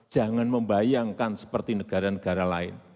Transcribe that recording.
jangan membayangkan seperti negara negara lain